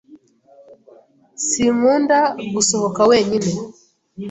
Sinkunda gusohoka wenyine.